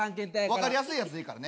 わかりやすいやつでいいからね。